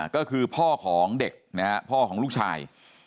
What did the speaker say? ก็คือพ่อของเด็กนะฮะพ่อของลูกชาย